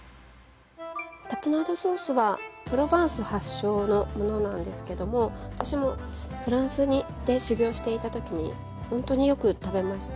タプナードソースはプロヴァンス発祥のものなんですけども私もフランスで修業していたときに本当によく食べました。